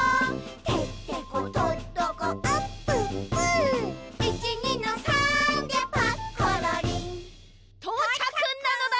「てってことっとこあっぷっぷ」「いちにのさーんでパッコロリン」とうちゃくなのだ！